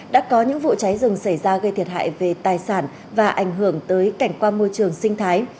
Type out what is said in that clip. đã có những vụ cháy rừng xảy ra gây thiệt hại về tài sản và ảnh hưởng tới cảnh quan môi trường sinh thái